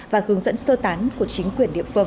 và hướng dẫn sơ tán của chính quyền địa phương